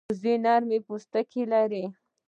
وزې نرم پوستکی لري